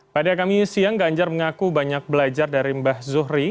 pada kami siang ganjar mengaku banyak belajar dari mbah zuhri